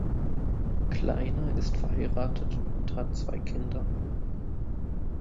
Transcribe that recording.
Kleiner ist verheiratet und hat zwei Kinder.